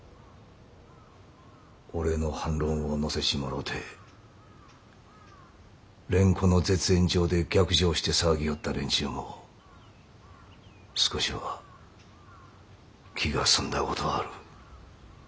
俺の反論を載せちもろて蓮子の絶縁状で逆上して騒ぎよった連中も少しは気が済んだごとある。